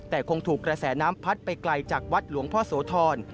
แต่คงถูกกระแสน้ำพัดไปไกลจากวัดหลวงพ่อโสธร